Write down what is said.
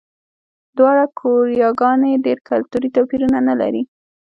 دواړه کوریاګانې ډېر کلتوري توپیرونه نه لري.